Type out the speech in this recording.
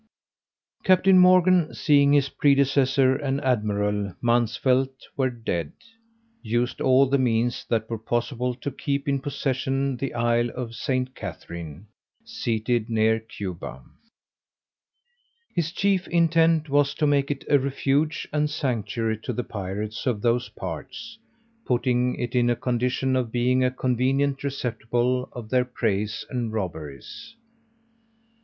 _ CAPTAIN MORGAN seeing his predecessor and admiral Mansvelt were dead, used all the means that were possible, to keep in possession the isle of St. Catherine, seated near Cuba. His chief intent was to make it a refuge and sanctuary to the pirates of those parts, putting it in a condition of being a convenient receptacle of their preys and robberies.